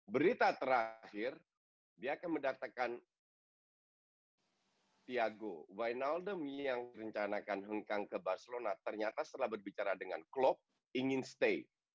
berita terakhir dia akan mendatangkan thiago wijnaldum yang rencanakan hengkang ke barcelona ternyata setelah berbicara dengan klopp ingin stay